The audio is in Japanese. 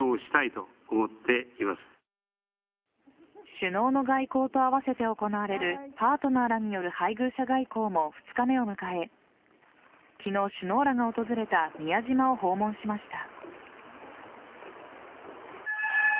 首脳の外交と併せて行われるパートナーらによる配偶者外交も２日目を迎え昨日、首脳らが訪れた宮島を訪問しました。